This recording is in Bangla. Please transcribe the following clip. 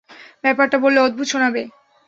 ব্যাপারটা বললে অদ্ভুত শোনাবে।